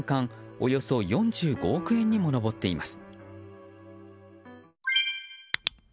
およそ４５億円にも上っています。